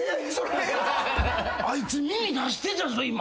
あいつ耳出してたぞ今。